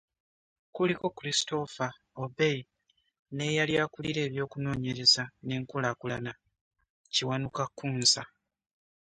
Kuliko Christopher Obey n'eyali akulira eby'okunoonyereza n'enkulaakulana, Kiwanuka Kunsa.